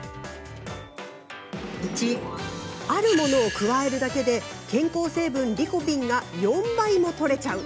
あるものを加えるだけでトマトの健康効成分リコピンが４倍もとれちゃう。